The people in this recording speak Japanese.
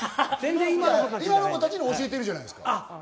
今の子たちに教えてるじゃないですか。